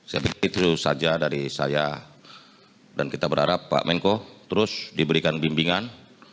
saya pikir itu saja dari saya dan kita berharap pak menko terus diberikan bimbingan